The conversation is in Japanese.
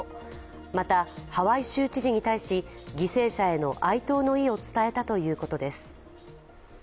また、ハワイ州知事に対し犠牲者への哀悼の意を伝えたということです。